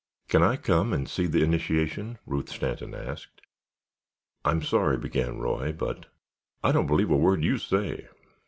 "Can I come and see the initiation?" Ruth Stanton asked. "I'm sorry," began Roy, "but——" "I don't believe a word you say."